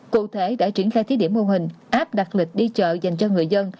cụ thể đã triển khai thí điểm mô hình áp đặt lịch đi chợ dành cho người dân